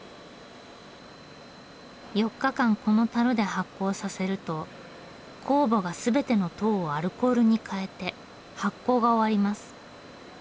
４日間この樽で発酵させると酵母が全ての糖をアルコールに変えて発酵が終わります。